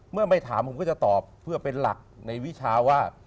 เมื่อไม่ถามผมก็จะตอบเพื่อเป็นหลักในวิชาว่า